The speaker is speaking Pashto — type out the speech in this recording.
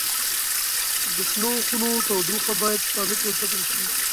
د شنو خونو تودوخه باید ثابت وساتل شي.